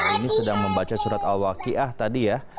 ini sedang membaca surat al waqiah tadi ya